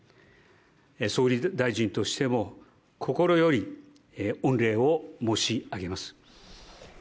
総理大臣としても、心より御礼を申し上げます。